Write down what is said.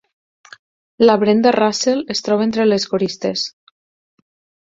La Brenda Russell es troba entre les coristes.